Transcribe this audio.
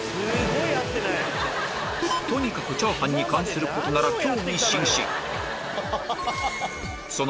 とにかくチャーハンに関することなら興味津々！